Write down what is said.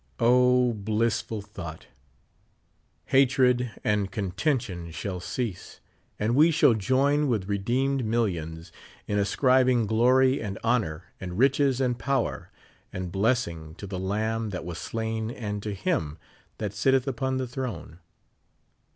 O, blissful thought ! Hatred and conten tention shall cease, and we shall join with redeemed mil lions in ascribing: glory and honor and riches and power and blessing to the Lamb that was slain and to Him that sitteth upon the throne.